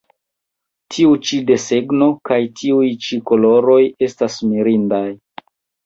Tiu ĉi desegno kaj tiuj ĉi koloroj estas mirindaj!